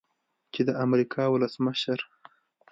چې د امریکا ولسمشر